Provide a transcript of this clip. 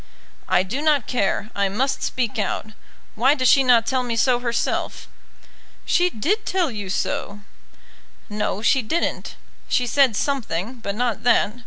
"I do not care; I must speak out. Why does she not tell me so herself?" "She did tell you so." "No, she didn't. She said something, but not that.